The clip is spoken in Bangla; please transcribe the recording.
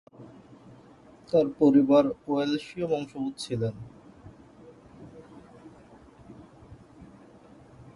তার পরিবার ওয়েলশীয় বংশোদ্ভূত ছিলেন।